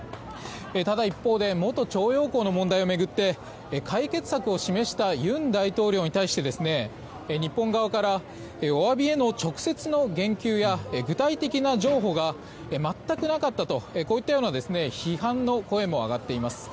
ただ、一方で元徴用工の問題を巡って解決策を示した尹大統領に対して日本側からお詫びへの直接な言及や具体的な譲歩が全くなかったと、こういった批判の声も上がっています。